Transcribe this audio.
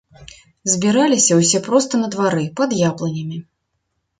Збіраліся ўсе проста на двары, пад яблынямі.